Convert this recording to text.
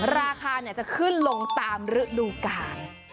ราคาจะขึ้นลงตามฤดูกาล